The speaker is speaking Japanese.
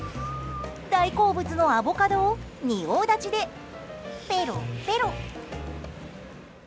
大好物のアボカドを仁王立ちでペロペロ。